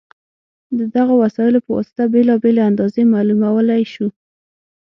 د دغو وسایلو په واسطه بېلابېلې اندازې معلومولی شو.